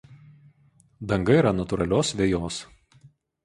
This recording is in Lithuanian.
Danga yra natūralios vejos.